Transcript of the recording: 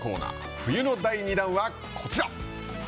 冬の第二弾はこちら。